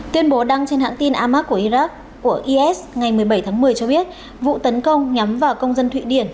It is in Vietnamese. tuyên bố đăng trên hãng tin amac của iraq của is ngày một mươi bảy tháng một mươi cho biết vụ tấn công nhắm vào công dân thụy điển